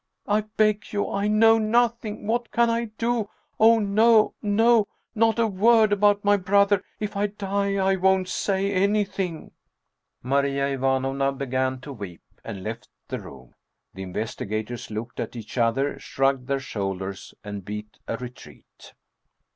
I beg you! I know nothing What can I do? Oh, no! no! not a word about my brother ! If I die, I won't say anything !" Maria Ivanovna began to weep, and left the room. The investigators looked at each other, shrugged their shoul ders, and beat a retreat.